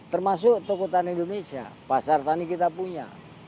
termasuk toko tani indonesia pasar tani kita punya